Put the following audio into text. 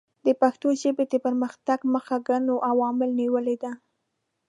د پښتو ژبې د پرمختګ مخه ګڼو عواملو نیولې ده.